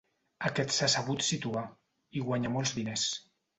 Aquest s'ha sabut situar, i guanya molts diners.